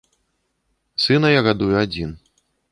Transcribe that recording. Сына я гадую адзін.